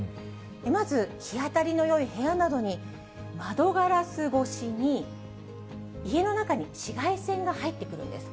まず、日当たりのよい部屋などに窓ガラス越しに家の中に紫外線が入ってくるんです。